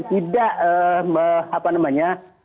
tidak apa namanya